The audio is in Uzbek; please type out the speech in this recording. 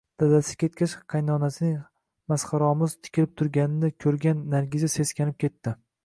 Dadasi ketgach, qaynonasining masxaromuz tikilib turganini ko`rgan Nargiza seskanib ketdi